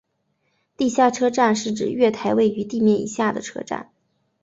地下车站是指月台位于地面以下的车站。